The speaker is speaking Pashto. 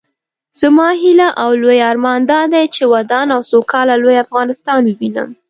زما هيله او لوئ ارمان دادی چې ودان او سوکاله لوئ افغانستان ووينم